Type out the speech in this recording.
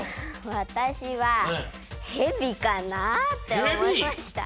わたしはヘビかなっておもいました。